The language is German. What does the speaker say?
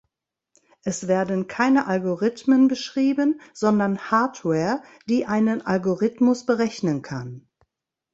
Es werden keine Algorithmen beschrieben, sondern Hardware, die einen Algorithmus berechnen kann.